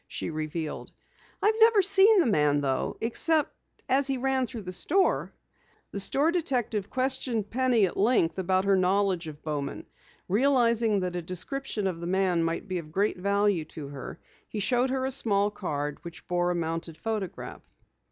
she revealed. "I've never seen the man though except as he ran through the store." The store detective questioned Penny at length about her knowledge of Bowman. Realizing that a description of the man might be of great value to her, he showed her a small card which bore a mounted photograph.